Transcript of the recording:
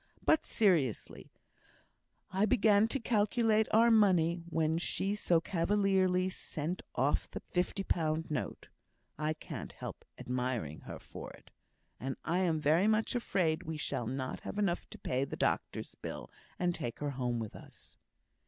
But, seriously, I began to calculate our money when she so cavalierly sent off the fifty pound note (I can't help admiring her for it), and I am very much afraid we shall not have enough to pay the doctor's bill, and take her home with us."